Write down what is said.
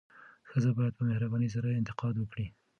ښځه باید په مهربانۍ سره انتقاد وکړي.